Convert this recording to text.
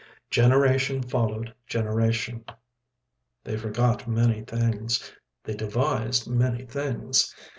Generation followed generation. They forgot many things; they devised many things.